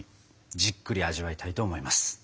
じっくり味わいたいと思います！